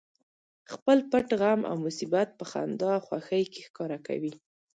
خپل پټ غم او مصیبت په خندا او خوښۍ کې ښکاره کوي